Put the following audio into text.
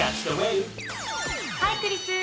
ハイクリス！